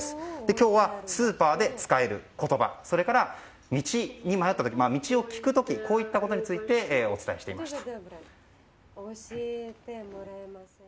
今日は、スーパーで使える言葉や道を聞く時こういったことについてお伝えしていました。